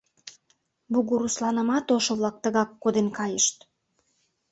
Бугурусланымат ошо-влак тыгак коден кайышт...